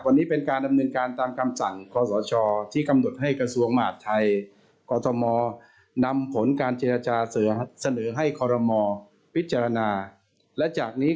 วันนี้เป็นการดำเนินการตามกรรมสรรค์คศที่กำหนดให้กระทรวงหมาศไทยกศนำผลการเจรจาเสนอให้คศพิจารณา